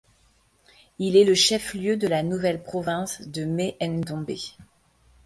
Il est le Chef-lieu de la nouvelle Province de Mai-Ndombe.